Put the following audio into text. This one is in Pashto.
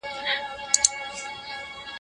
اولادونه مي له لوږي قتل کېږي